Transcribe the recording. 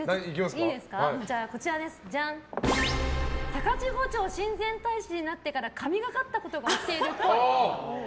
じゃあ高千穂町親善大使になってから神がかったことが起きているっぽい。